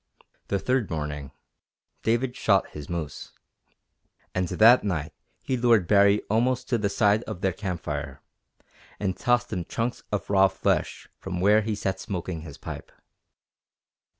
The third morning David shot his moose. And that night he lured Baree almost to the side of their campfire, and tossed him chunks of raw flesh from where he sat smoking his pipe.